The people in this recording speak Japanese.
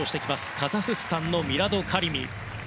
カザフスタンのミラド・カリミ。